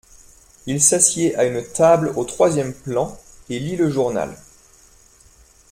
Il s’assied à une table au troisième plan et lit le journal.